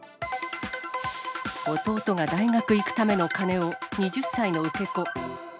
弟が大学行くための金を、２０歳の受け子。